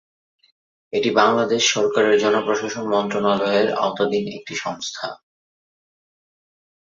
এটি বাংলাদেশ সরকারের জনপ্রশাসন মন্ত্রণালয়ের আওতাধীন একটি সংস্থা।